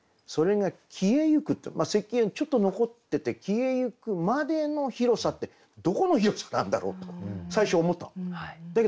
咳がちょっと残ってて「消えゆくまでの広さ」ってどこの広さなんだろうと最初思ったの。